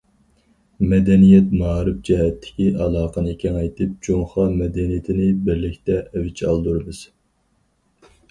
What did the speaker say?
مەدەنىيەت، مائارىپ جەھەتتىكى ئالاقىنى كېڭەيتىپ، جۇڭخۇا مەدەنىيىتىنى بىرلىكتە ئەۋج ئالدۇرىمىز.